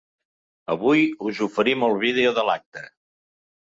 Avui us oferim el vídeo de l’acte.